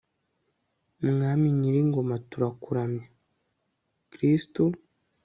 mwami nyir'ingoma turakuramya, kristu